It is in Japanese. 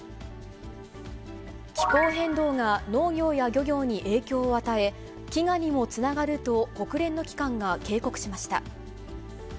気候変動が農業や漁業に影響を与え、飢餓にもつながると、国連の機関が警告しました。